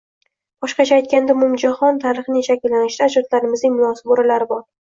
Boshqacha aytganda, umumjahon tarixining shakllanishida ajdodlarimizning, munosib o‘rinlari bor